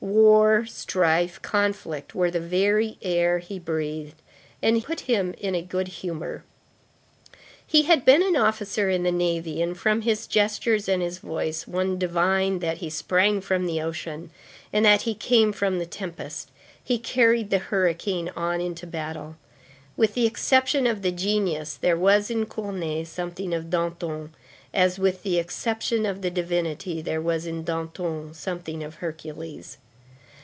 War, strife, conflict, were the very air he breathed and put him in a good humor. He had been an officer in the navy, and, from his gestures and his voice, one divined that he sprang from the ocean, and that he came from the tempest; he carried the hurricane on into battle. With the exception of the genius, there was in Cournet something of Danton, as, with the exception of the divinity, there was in Danton something of Hercules.